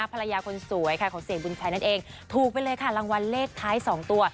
ภรรยาคนสวยค่ะของเสกบุญชัยนั่นเองถูกไปเลยค่ะรางวัลเลขท้าย๒ตัว